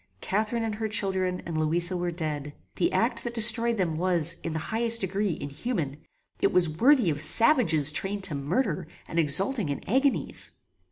Catharine and her children, and Louisa were dead. The act that destroyed them was, in the highest degree, inhuman. It was worthy of savages trained to murder, and exulting in agonies.